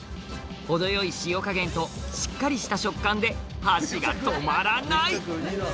程よい塩加減としっかりした食感で箸が止まらない！